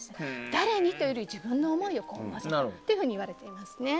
誰にというより、自分の思いを描いたといわれています。